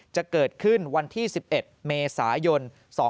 จะเกิดขึ้นวันที่๑๑เมษายน๒๕๖๒